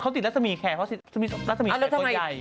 เขาติดลักษณีย์แขกเขาติดลักษณีย์แขกคนใหญ่